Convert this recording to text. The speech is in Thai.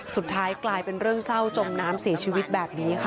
สุดท้ายกลายเป็นเรื่องเศร้าจมน้ำเสียชีวิตแบบนี้ค่ะ